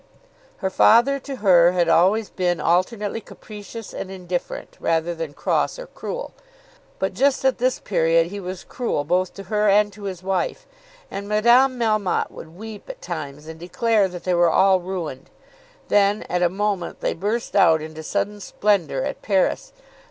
Her father to her had always been alternately capricious and indifferent rather than cross or cruel, but just at this period he was cruel both to her and to his wife. And Madame Melmotte would weep at times and declare that they were all ruined. Then, at a moment, they burst out into sudden splendour at Paris.